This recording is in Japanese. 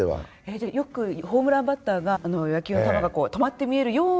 じゃあよくホームランバッターが野球の球が止まって見えるような感じで。